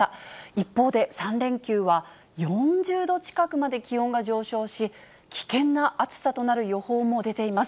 一方で３連休は、４０度近くまで気温が上昇し、危険な暑さとなる予報も出ています。